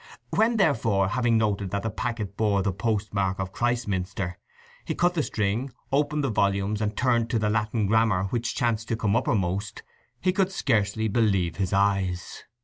When, therefore, having noted that the packet bore the postmark of Christminster, he cut the string, opened the volumes, and turned to the Latin grammar, which chanced to come uppermost, he could scarcely believe his eyes.